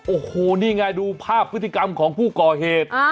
โอ้โหนี่ไงดูภาพพฤติกรรมของผู้ก่อเหตุ